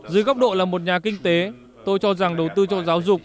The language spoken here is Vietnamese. dưới góc độ là một nhà kinh tế tôi cho rằng đầu tư cho giáo dục